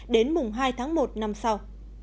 đến mùng hai tháng một năm sau